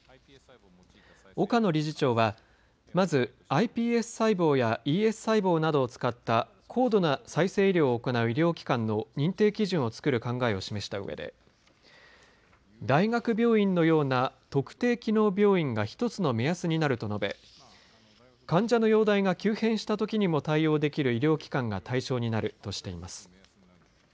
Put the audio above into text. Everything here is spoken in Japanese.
岡野理事長はまずｉＰＳ細胞やＥＳ細胞などを使った高度な再生医療を行う医療機関の認定基準を作る考えを示したうえで大学病院のような特定機能病院が１つの目安になると述べ患者の容体が急変した時にも対応できる医療機関が対象になるとしています。